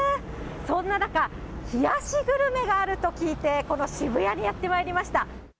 そんな中、冷やしグルメがあると聞いて、この渋谷にやってまいりました。